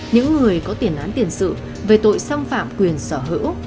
những người có tiền án tiền sự về tội xâm phạm quyền sở hữu